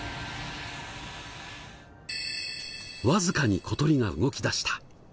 わずかに小鳥が動き出した。